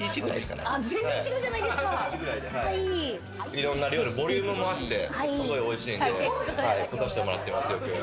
いろんな料理、ボリュームもあって、すごい美味しいのでこさせてもらってます、よく。